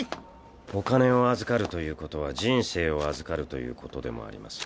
お金を預かるということは人生を預かるということでもあります。